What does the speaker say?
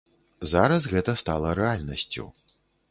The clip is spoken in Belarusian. Зараз гэта стала рэальнасцю.